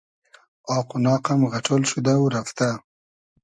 آق و ناق ام غئݖۉل شودۂ و رئفتۂ